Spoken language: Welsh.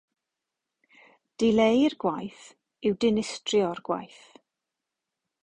Dileu'r gwaith yw dinistrio'r gwaith".